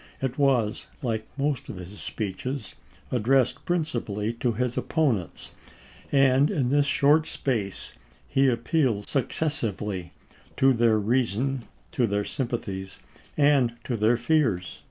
It was, like most of his speeches, addressed principally to his opponents, and in this short space he appealed successively to their reason, to their sympathies, and to their fears.